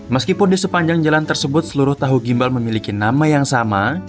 meskipun di sepanjang jalan tersebut seluruh tahu gimbal memiliki nama yang sama